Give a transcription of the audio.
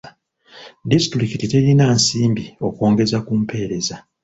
Disitulikiti terina nsimbi okwongeza ku mpeereza.